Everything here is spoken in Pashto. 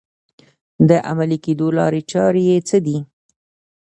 د عملي کېدو لارې چارې یې څه دي؟